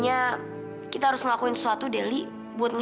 ibu beruntung ibu punya kalian